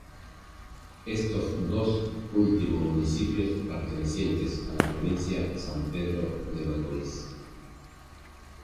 Estos dos último municipios pertenecientes a la provincia San Pedro de Macorís.